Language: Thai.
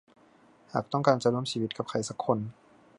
หากต้องการจะร่วมชีวิตกับใครสักคน